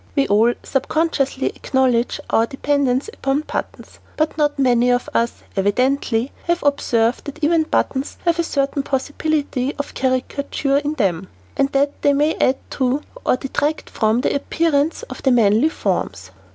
79] We all sub consciously acknowledge our dependence upon buttons, but not many of us, evidently, have observed that even buttons have a certain possibility of caricature in them; and that they may add to, or detract from, the appearance of manly forms.